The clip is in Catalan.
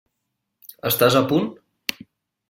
Estàs a punt?